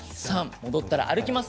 戻ったら歩きます。